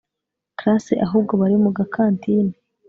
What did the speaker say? class ahubwo bari mugakantine